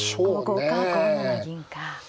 ５五か５七銀か。